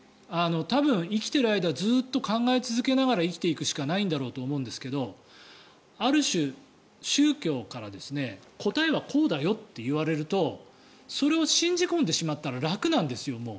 多分、生きている間ずっと考え続けながら生きていくしかないんだろうと思いますがある種、宗教から答えはこうだよって言われるとそれを信じ込んでしまったら楽なんですよ。